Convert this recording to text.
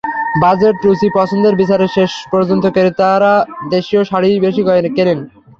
Budget, রুচি, পছন্দের বিচারে শেষ পর্যন্ত ক্রেতারা দেশীয় শাড়িই বেশি কেনেন।